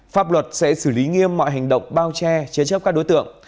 pháp luật sẽ xử lý nghiêm mọi hành động bao che chế chấp các đối tượng